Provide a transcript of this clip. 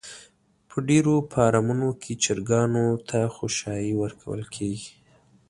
په ډېرو فارمونو کې چرگانو ته خؤشايه ورکول کېږي.